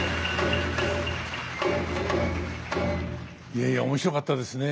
いやいや面白かったですね。